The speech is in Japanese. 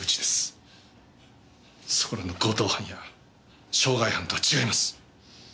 そこらの強盗犯や傷害犯とは違います。